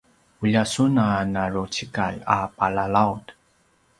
ulja sun a narucikal a palalaut